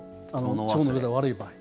腸の状態が悪い場合。